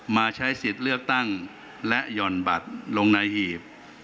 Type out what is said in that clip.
มาใช้สิทธิ์เลือกตั้งและหย่อนบัตรลงในหีบ